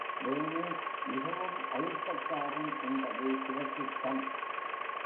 வேணு மிகவும் அழுத்தக்காரன் என்பது பிரசித்தம்.